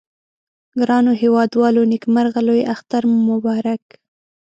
ګرانو هیوادوالو نیکمرغه لوي اختر مو مبارک